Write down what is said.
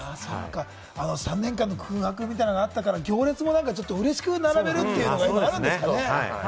３年間の空白みたいなのがあったから、行列もうれしく並べるっていうのがあるんですかね？